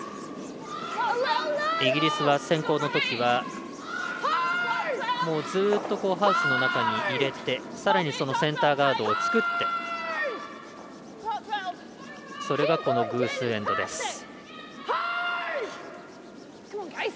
イギリスは先攻のときはずっとハウスの中に入れてさらにセンターガードを作ってそれが、その偶数エンドです。